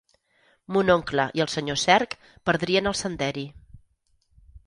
Mon oncle i el senyor Cerc perdrien el senderi.